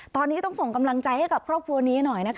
ตอนนี้ต้องส่งกำลังใจให้กับครอบครัวนี้หน่อยนะคะ